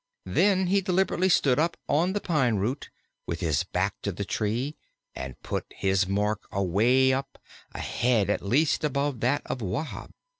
Then he deliberately stood up on the pine root, with his back to the tree, and put his mark away up, a head at least above that of Wahb.